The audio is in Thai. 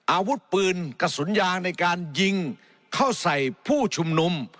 อาวุธปืนกระสุนยางในการยิงเข้าใส่ผู้ชุมนุม